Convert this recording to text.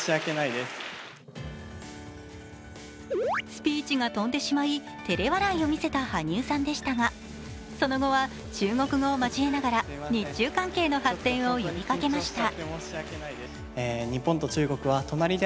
スピーチが飛んでしまい照れ笑いを見せた羽生さんでしたがその後は中国語を交えながら日中関係の発展を呼びかけました。